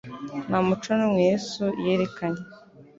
Nta muco n'umwe Yesu yerekanye